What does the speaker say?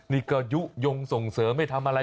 นี่ก็ยุ่งส่งเสริมไม่ทำอะไรแบบนี้